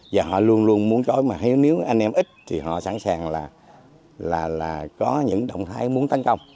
và họ luôn luôn muốn chối mà nếu anh em ít thì họ sẵn sàng là có những động thái muốn tấn công